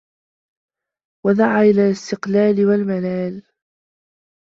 وَدَعَا إلَى الِاسْتِثْقَالِ وَالْمَلَالِ